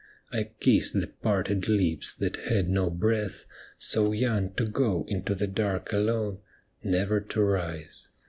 I kissed the parted lips that had no breath, So young to go into the dark alone. Never to rise.